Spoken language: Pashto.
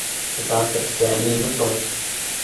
له ځان سره سيالي مه کوه